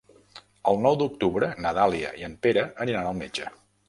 El nou d'octubre na Dàlia i en Pere aniran al metge.